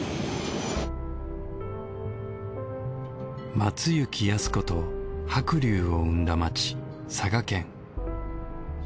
松雪泰子と白竜を生んだ街佐賀県。